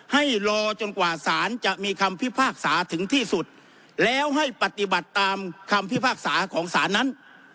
ให้รอจนกว่าสารจะมีคำพิพากษาถึงที่สุดแล้วให้ปฏิบัติตามคำพิพากษาของศาลนั้น